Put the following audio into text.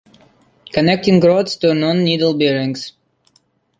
Connecting rods turn on needle bearings.